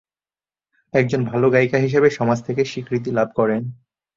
একজন ভাল গায়িকা হিসাবে সমাজ থেকে স্বীকৃতি লাভ করেন।